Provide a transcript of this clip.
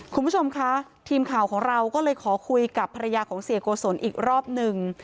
คุณผู้ชมคะทีมข่าวของเราก็เลยขอคุยกับภรรยาของเสียโกศลอีกรอบหนึ่ง